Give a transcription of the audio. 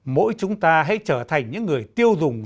mỗi chúng ta hãy trở thành những người tiêu dùng